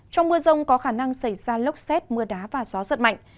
trong mưa rông có khả năng xảy ra lốc xét mưa đá và gió giật mạnh